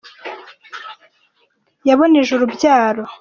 yaboneje urubyaro